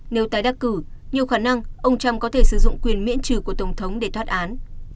nếu tái đắc cử nhiều khả năng ông trump có thể sử dụng quyền miễn trừ của tổng thống để thoát án